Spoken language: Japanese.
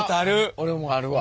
俺もあるわ。